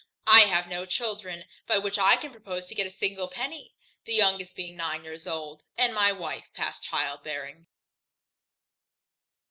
I have no children, by which I can propose to get a single penny; the youngest being nine years old, and my wife past child bearing.